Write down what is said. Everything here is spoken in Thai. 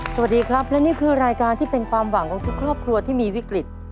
สวัสดีครับและนี่คือรายการที่เป็นความหวังของทุกครอบครัวที่มีวิกฤต